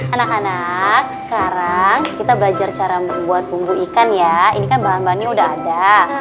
anak anak sekarang kita belajar cara membuat bumbu ikan ya ini kan bahan bahannya udah ada